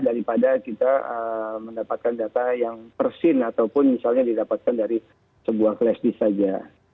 daripada kita mendapatkan data yang persin ataupun misalnya didapatkan dari sebuah flash disk saja